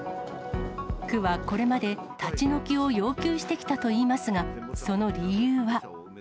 区はこれまで、立ち退きを要求してきたといいますが、その理由は。